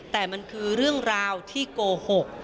แต่มันคือเรื่องราวที่โกหก